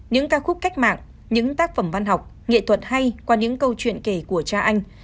những ca khúc cách mạng những tác phẩm văn học nghệ thuật hay qua những câu chuyện kể của cha anh